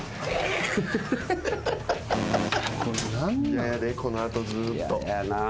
嫌やでこの後ずっと。